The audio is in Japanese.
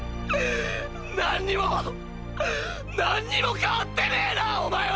何にも何にも変わってねぇなお前は！！